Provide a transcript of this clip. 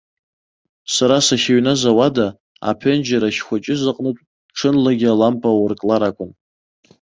Сара сахьыҩназ ауада, аԥенџьыр ахьхәыҷыз аҟнытә, ҽынлагьы алампа аурклар акәын.